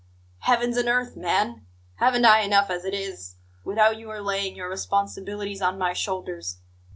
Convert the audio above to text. Heavens and earth, man! Haven't I enough as it is, without your laying your responsibilities on my shoulders?